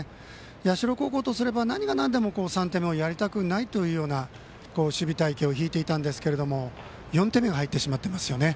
社高校とすれば何がなんでも３点目をやりたくない守備隊形を敷いていたんですが４点目が入ってしまっていますよね。